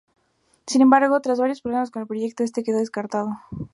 Sin embargo, tras varios problemas con el proyecto este quedó descartado.